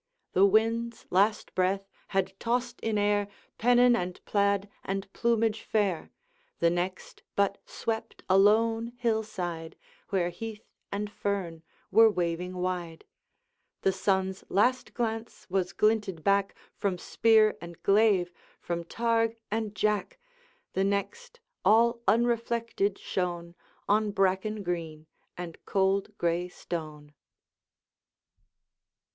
The wind's last breath had tossed in air Pennon and plaid and plumage fair, The next but swept a lone hill side Where heath and fern were waving wide: The sun's last glance was glinted back From spear and glaive, from targe and jack, The next, all unreflected, shone On bracken green and cold gray stone.